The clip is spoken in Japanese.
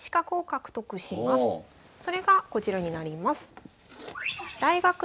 それがこちらになります。